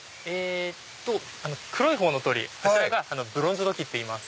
黒い方の鳥あちらがブロンズトキっていいます。